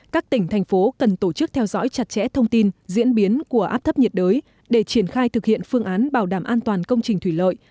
các tỉnh thành phố cần tổ chức theo dõi chặt chẽ thông tin diễn biến của áp thấp nhiệt đới để triển khai thực hiện phương án bảo đảm an toàn công trình thủy lợi